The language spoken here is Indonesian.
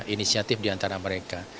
inisiatif di antara mereka